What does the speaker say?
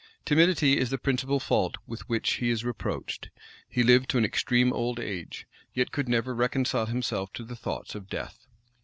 Timidity is the principal fault with which he is reproached; he lived to an extreme old age, yet could never reconcile himself to the thoughts of death.